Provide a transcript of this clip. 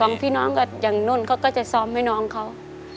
พี่น้องกับอย่างนุ่นเขาก็จะซ้อมให้น้องเขา